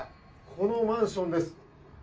このマンションです。